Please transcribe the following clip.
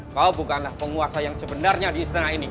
kau bukanlah penguasa yang sebenarnya di istana ini